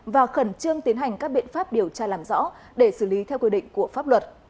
và khẩn trương tiến hành các biện pháp điều tra làm rõ để xử lý theo quy định của pháp luật